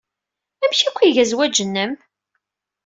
Amek akka ay iga zzwaj-nnem?